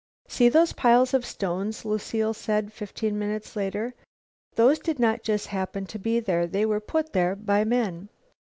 "See those piles of stones?" Lucile said fifteen minutes later. "Those did not just happen to be there. They were put there by men.